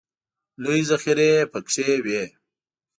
لویې ذخیرې پکې وې.